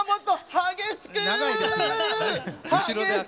激しくー。